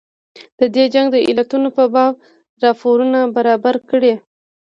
د دې جنګ د علتونو په باب راپورونه برابر کړي.